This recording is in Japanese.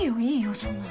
そんなの。